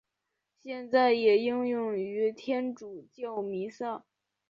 现在也应用于天主教弥撒。